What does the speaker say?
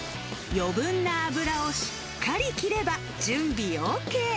余分な油をしっかり切れば、準備ＯＫ。